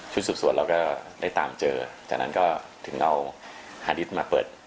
สุดส่วนเราก็ได้ตามเจอจากนั้นก็ถึงเอาฮาดิสมาเปิด